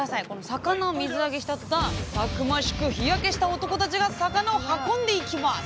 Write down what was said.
魚を水揚げしたとたんたくましく日焼けした男たちが魚を運んでいきます